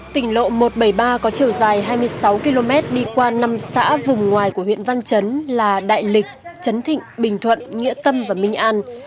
tỉnh lộ một trăm bảy mươi ba có chiều dài hai mươi sáu km đi qua năm xã vùng ngoài của huyện văn chấn là đại lịch trấn thịnh bình thuận nghĩa tâm và minh an